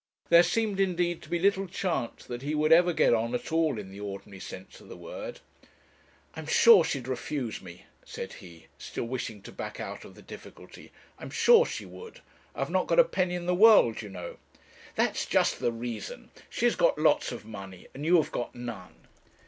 There seemed, indeed, to be little chance that he ever would get on at all in the ordinary sense of the word. 'I'm sure she'd refuse me,' said he, still wishing to back out of the difficulty. 'I'm sure she would I've not got a penny in the world, you know.' 'That's just the reason she has got lots of money, and you have got none.'